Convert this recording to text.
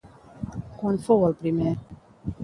Quan fou el primer?